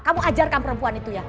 kamu ajarkan perempuan itu ya